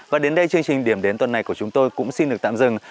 và đến đây chương trình điểm đến tuần này của chúng tôi cũng xin được tạm dừng